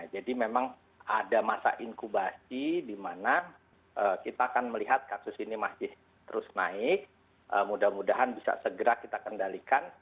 jadi memang ada masa inkubasi di mana kita akan melihat kasus ini masih terus naik mudah mudahan bisa segera kita kendalikan